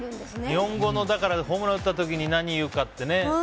日本語でホームラン打った時に何言うかってね。